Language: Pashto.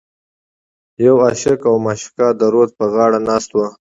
یو عاشق او معشوقه د رود په غاړه ناست و.